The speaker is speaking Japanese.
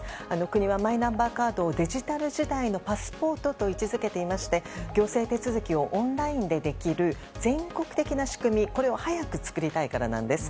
国は、マイナンバーカードをデジタル時代のパスポートと位置付けていまして行政手続きをオンラインでできる全国的な仕組みを早く作りたいからなんです。